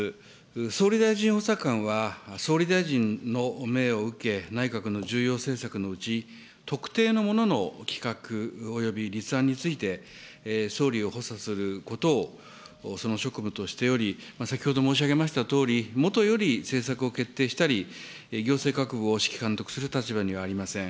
総理大臣補佐官は、総理大臣の命を受け、内閣の重要政策のうち、特定のものの企画および立案について総理を補佐することをその職務としており、先ほど申し上げましたとおり、もとより政策を決定したり、行政各部を指揮監督する立場にはありません。